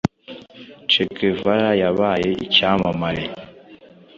che guevara yabaye icyamamare